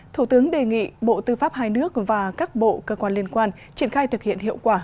thủ tướng đề nghị bộ tư pháp hai nước và các bộ cơ quan liên quan triển khai thực hiện hiệu quả